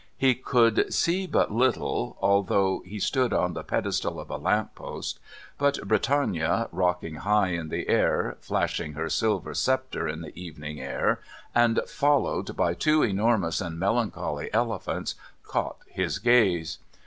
He could see but little, although he stood on the pedestal of a lamp post; but Britannia, rocking high in the air, flashing her silver sceptre in the evening air, and followed by two enormous and melancholy elephants, caught his gaze.